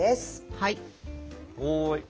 はい。